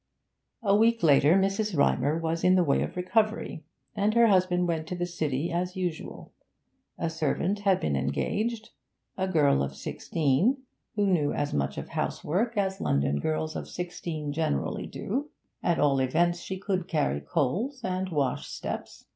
A week later Mrs. Rymer was in the way of recovery, and her husband went to the City as usual. A servant had been engaged a girl of sixteen, who knew as much of housework as London girls of sixteen generally do; at all events, she could carry coals and wash steps.